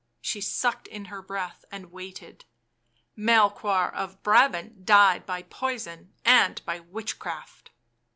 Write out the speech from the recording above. She sucked in her breath and waited. " Melchoir of Brabant died by poison and by witch craft."